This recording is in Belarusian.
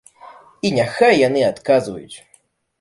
І няхай яны адказваюць.